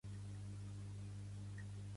Pertany al moviment independentista l'Aureli?